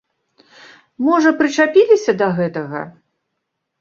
Можа, прычапіліся да гэтага.